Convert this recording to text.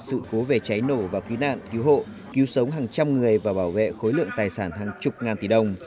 sự cố về cháy nổ và cứu nạn cứu hộ cứu sống hàng trăm người và bảo vệ khối lượng tài sản hàng chục ngàn tỷ đồng